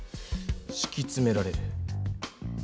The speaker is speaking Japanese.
しきつめられる。